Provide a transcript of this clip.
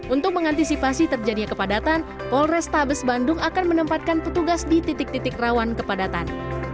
untuk mengantisipasi terjadinya kepadatan polrestabes bandung akan menempatkan petugas di titik titik rawan kepadatan